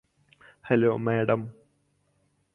hello madam